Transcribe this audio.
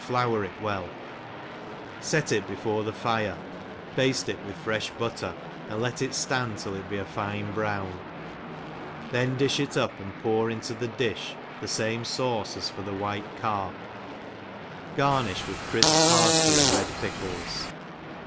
odf it well ; fet it before the fire, bafte it with frefli butter, and let it ftand till it be a fine brown ; then difh it up, and pour into the di{h the fame iauce as for the white carp ; garnifh with crifp parfley and red pickles.